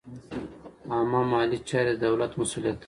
عامه مالي چارې د دولت مسوولیت دی.